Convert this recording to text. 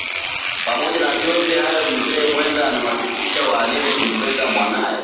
Pamoja na yote hayo Mzee Mwenda aliwasisitiza walimu kumpenda mwanaye